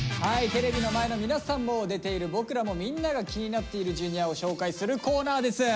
テレビの前の皆さんも出ている僕らもみんなが気になっているＪｒ．を紹介するコーナーです。